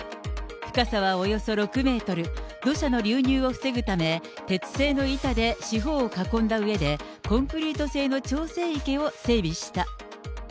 深さはおよそ６メートル、土砂の流入を防ぐため、鉄製の板で四方を囲んだうえで、コンクリート製の調整池を整備した。